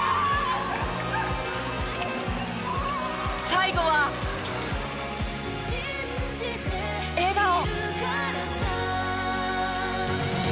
最後は笑顔！